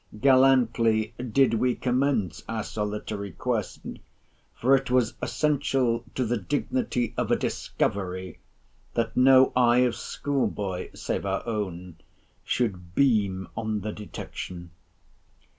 Gallantly did we commence our solitary quest—for it was essential to the dignity of a DISCOVERY, that no eye of schoolboy, save our own, should beam on the detection.